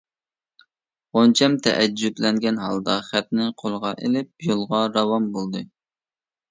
غۇنچەم تەئەججۈپلەنگەن ھالدا خەتنى قولىغا ئېلىپ، يولىغا راۋان بولدى.